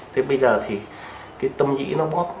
thế bây giờ thì cái tâm nhĩ nó bóp